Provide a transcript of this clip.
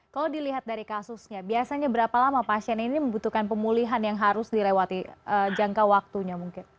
kalau dilihat dari kasusnya biasanya berapa lama pasien ini membutuhkan pemulihan yang harus dilewati jangka waktunya mungkin